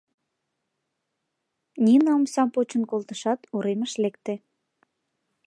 Нина омсам почын колтышат, уремыш лекте.